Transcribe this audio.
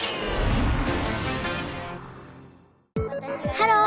ハロー！